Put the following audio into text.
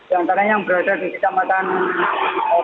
seantara yang berada di kampasan jokowi